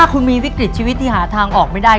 คุณมีวิกฤตชีวิตที่หาทางออกไม่ได้